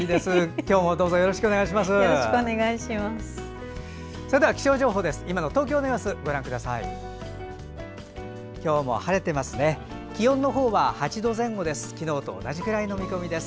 今日もどうぞよろしくお願いいたします。